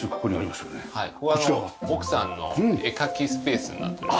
ここは奥さんの絵描きスペースになっております。